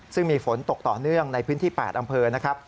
ซึ่งมีฝนตกต่อเนื่องในพื้นที่๘อำเภอนะครับ